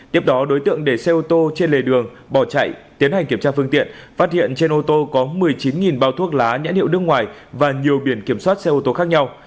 tiếp đó đối tượng để xe ô tô trên lề đường bỏ chạy tiến hành kiểm tra phương tiện phát hiện trên ô tô có một mươi chín bao thuốc lá nhãn hiệu nước ngoài và nhiều biển kiểm soát xe ô tô khác nhau